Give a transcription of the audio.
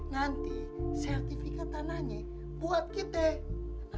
nanti sertifikat tanahnya buat kita